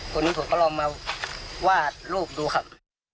ผมก็ลองมาวาดรูปดูครับ